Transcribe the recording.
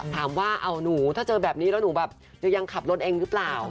ถามว่าเอาหนูถ้าเจอแบบนี้แล้วหนูแบบจะยังขับรถเองหรือเปล่า